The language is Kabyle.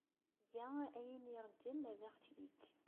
Iga ayen ay iṛeggem ad aɣ-t-yeg.